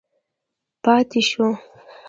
پاتې شو.